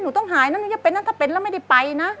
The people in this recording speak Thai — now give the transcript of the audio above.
ต้องหายนะหนูจะเป็นนั่นก็เป็นแล้วไม่ได้ไปนะ